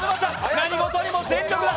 何事にも全力だ。